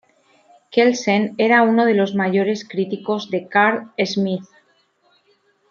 Kelsen, era uno de los mayores críticos de Carl Schmitt.